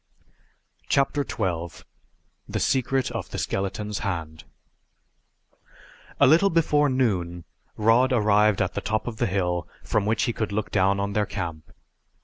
CHAPTER XII THE SECRET OF THE SKELETON'S HAND A little before noon Rod arrived at the top of the hill from which he could look down on their camp.